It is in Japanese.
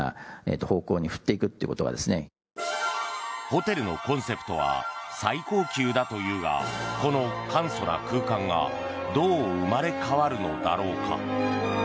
ホテルのコンセプトは最高級だというがこの簡素な空間がどう生まれ変わるのだろうか。